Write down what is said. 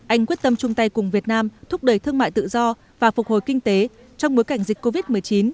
anh quyết tâm chung tay cùng việt nam thúc đẩy thương mại tự do và phục hồi kinh tế trong bối cảnh dịch covid một mươi chín